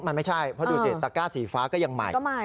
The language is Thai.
มันไม่ใช่เพราะดูสิตะก้าสีฟ้าก็ยังใหม่